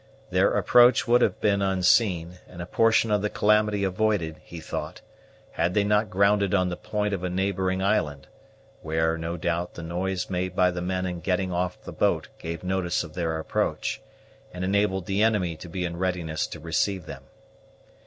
Their approach would have been unseen, and a portion of the calamity avoided, he thought, had they not grounded on the point of a neighboring island, where, no doubt, the noise made by the men in getting off the boat gave notice of their approach, and enabled the enemy to be in readiness to receive them.